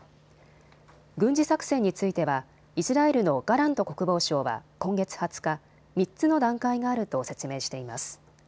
軍事作戦についてはイスラエルのガラント国防相は今月２０日、３つの段階があると説明しています。